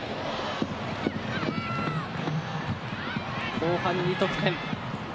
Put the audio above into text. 後半２得点。